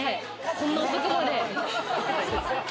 こんな遅くまで。